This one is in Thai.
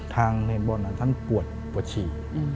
ทางในบอลท่านปวดปวดฉี่